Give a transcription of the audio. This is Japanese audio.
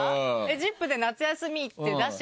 『ＺＩＰ！』で夏休みって出してくれて。